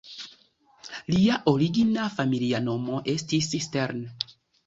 Lia origina familia nomo estis Stern".